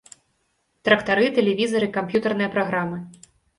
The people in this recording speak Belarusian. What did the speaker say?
Трактары, тэлевізары, камп'ютэрныя праграмы.